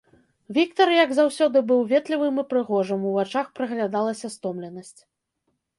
Віктар, як заўсёды, быў ветлівым і прыгожым, у вачах праглядалася стомленасць.